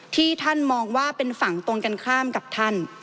ที่ท่านมองว่าเป็นฝั่งตรงกันข้ามกับท่าน